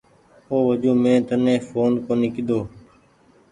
او وجون مين تني ڦون ڪونيٚ ڪيۮو۔